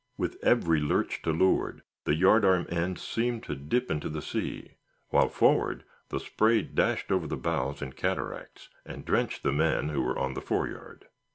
With every lurch to leeward the yard arm ends seemed to dip in the sea, while forward the spray dashed over the bows in cataracts, and drenched the men who were on the fore yard.